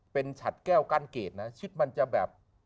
เป็นฉัดแก้วกั้นเกรดนะชิดมันจะแบบ